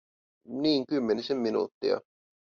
Niin kymmenisen minuuttia.